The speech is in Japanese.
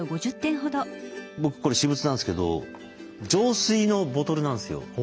僕これ私物なんですけど浄水のボトルなんですよ。